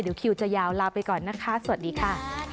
เดี๋ยวคิวจะยาวลาไปก่อนนะคะสวัสดีค่ะ